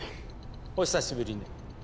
お久しぶりね。